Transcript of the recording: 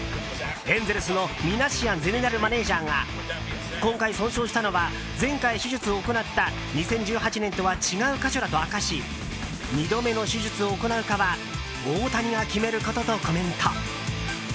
エンゼルスのミナシアンゼネラルマネジャーが今回損傷したのは前回手術を行った２０１８年とは違う箇所だと明かし２度目の手術を行うかは大谷が決めることとコメント。